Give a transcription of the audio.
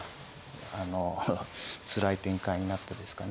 あのつらい展開になったですかね。